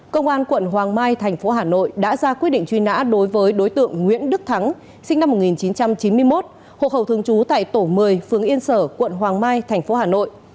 công an tp hà nội đã ra quyết định truy nã đối với đối tượng nguyễn đức thắng sinh năm một nghìn chín trăm chín mươi một hộ khẩu thường trú tại tổ một mươi phương yên sở tp hà nội